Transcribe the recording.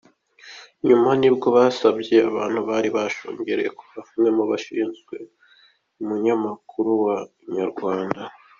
Nyuma nibwo basabye abantu bari bashungereye kuhava, umwe mu bashinzwe umunyamakuru wa Inyarwanda.